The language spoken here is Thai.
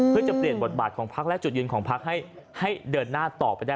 เพื่อจะเปลี่ยนบทบาทของพักและจุดยืนของพักให้เดินหน้าต่อไปได้